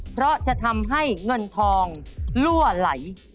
เพราะจะทำให้เงินทองลั่วไหล